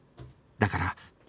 だから